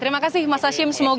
terima kasih mas hashim